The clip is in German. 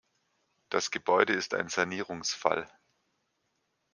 Das Gebäude ist ein Sanierungsfall.